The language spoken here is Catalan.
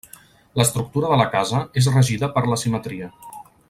L'estructura de la casa és regida per la simetria.